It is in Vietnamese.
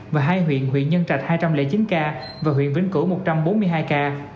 và hai huyện huyện nhân trạch hai trăm linh chín ca và huyện vĩnh cửu một trăm bốn mươi hai ca